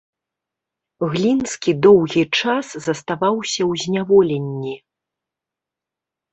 Глінскі доўгі час заставаўся ў зняволенні.